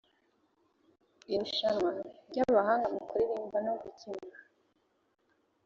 irushanwa ry’abahanga mu kuririmba no gukina